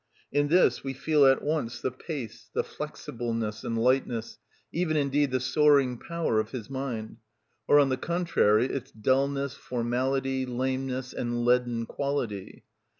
In this we feel at once the pace, the flexibleness and lightness, even indeed the soaring power of his mind; or, on the contrary, its dulness, formality, lameness and leaden quality.